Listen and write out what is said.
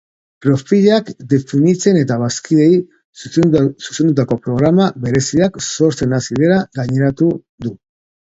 Profilak definitzen eta bazkideei zuzendutako programa bereziak sortzen hasi dela gaineratu du.